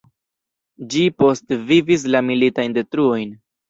Ĝi postvivis la militajn detruojn.